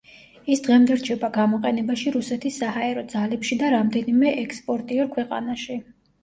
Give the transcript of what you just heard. ის დღემდე რჩება გამოყენებაში რუსეთის საჰაერო ძალებში და რამდენიმე ექსპორტიორ ქვეყანაში.